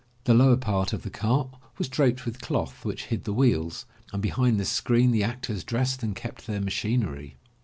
The lower part of the cart was draped with cloth which hid the wheels, and behind this screen the actors dressed and kept their machinery.